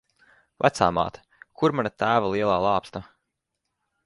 Vecāmāte, kur mana tēva lielā lāpsta?